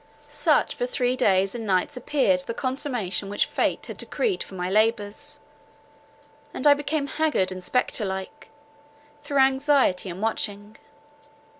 Such for three days and nights appeared the consummation which fate had decreed for my labours, and I became haggard and spectre like, through anxiety and watching.